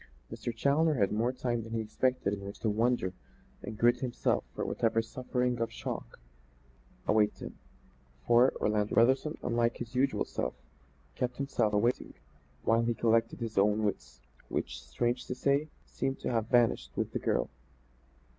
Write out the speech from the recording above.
Mr. Challoner had more time than he expected in which to wonder and gird himself for whatever suffering or shock awaited him. For, Orlando Brotherson, unlike his usual self, kept him waiting while he collected his own wits, which, strange to say, seemed to have vanished with the girl.